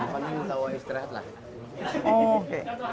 paling tau istirahat lah